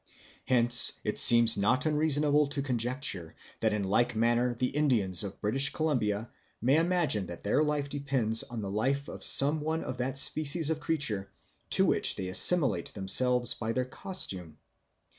Hence it seems not unreasonable to conjecture that in like manner the Indians of British Columbia may imagine that their life depends on the life of some one of that species of creature to which they assimilate themselves by their costume.